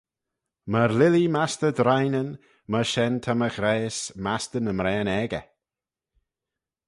Myr lilee mastey drineyn, myr shen ta my ghraih's mastey ny mraane aegey.